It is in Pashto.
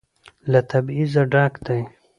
له تبعيضه ډک دى.